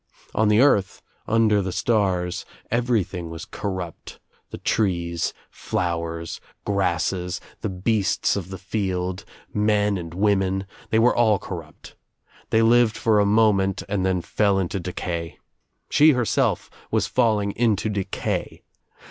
On the earth, under the stars everything was corrupt, the trees, flowers, grasses, the beasts of the field, men and women. They were all corrupt. They lived for a moment and then fell into decay. She her self was falling into decay.